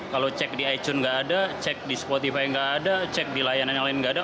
kalau cek di icun nggak ada cek di spotify nggak ada cek di layanan yang lain nggak ada